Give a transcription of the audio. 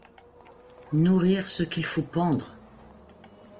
Nourrir ce qu'il faut pendre!